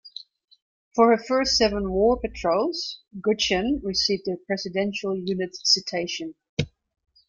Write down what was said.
For her first seven war patrols "Gudgeon" received the Presidential Unit Citation.